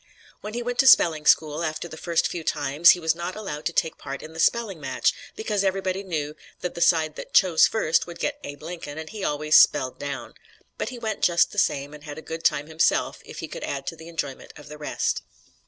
When he went to spelling school, after the first few times, he was not allowed to take part in the spelling match because everybody knew that the side that "chose first" would get Abe Lincoln and he always "spelled down." But he went just the same and had a good time himself if he could add to the enjoyment of the rest.